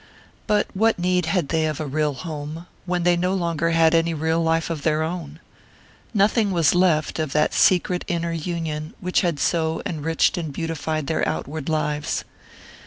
But what need had they of a real home, when they no longer had any real life of their own? Nothing was left of that secret inner union which had so enriched and beautified their outward lives.